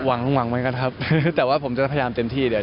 หวังหวังไหมก็ครับแต่ว่าผมจะพยายามเต็มที่เดี๋ยว